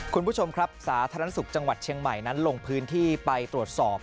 คุณผู้ชมครับสาธารณสุขจังหวัดเชียงใหม่นั้นลงพื้นที่ไปตรวจสอบ